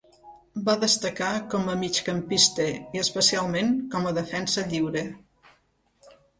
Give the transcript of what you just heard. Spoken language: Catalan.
Va destacar com a migcampista i, especialment, com a defensa lliure.